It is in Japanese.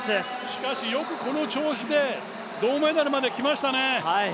しかし、よくこの調子で銅メダルまで来ましたね。